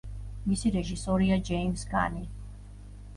მისი რეჟისორია ჯეიმზ განი.